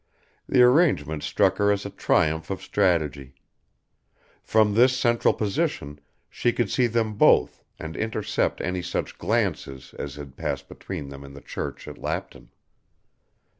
The arrangement struck her as a triumph of strategy. From this central position she could see them both and intercept any such glances as had passed between them in the church at Lapton.